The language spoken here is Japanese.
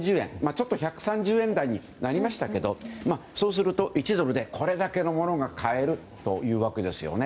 ちょっと１３０円台にもなりましたけどそうすると１ドルでこれだけのものを買えますよね。